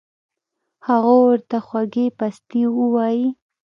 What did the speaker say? هغو ورته خوږې پستې اووائي